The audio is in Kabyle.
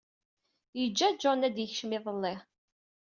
Yeǧǧa Jean ad d-yekcem iḍelli.